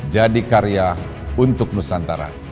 jadi karya untuk nusantara